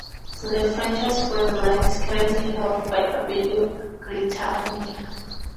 The franchise for the line is currently held by Abellio Greater Anglia.